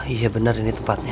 iya benar ini tempatnya